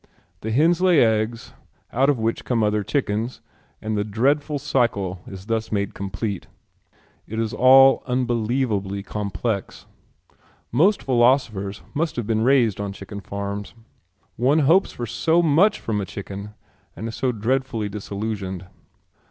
The hens lay eggs out of which come other chickens and the dreadful cycle is thus made complete. It is all unbelievably complex. Most philosophers must have been raised on chicken farms. One hopes for so much from a chicken and is so dreadfully disillusioned.